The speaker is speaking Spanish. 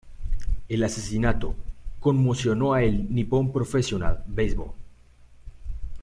El asesinato conmocionó a el Nippon Professional Baseball.